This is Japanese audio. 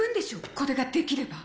これができれば。